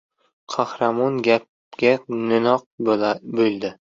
• Qahramon gapga no‘noq bo‘ladi.